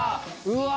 うわ！